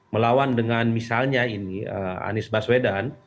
melawan dengan misalnya ini anies baswedan